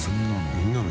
「みんなの」